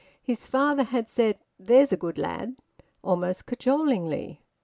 His father had said `There's a good lad' almost cajolingly.